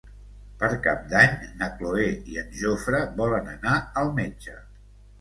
Per Cap d'Any na Cloè i en Jofre volen anar al metge.